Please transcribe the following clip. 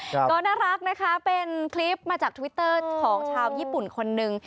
ก็น่ารักนะคะเป็นคลิปมาจากทวิตเตอร์ของชาวญี่ปุ่นคนนึง